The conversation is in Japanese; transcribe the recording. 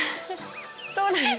そうなんです。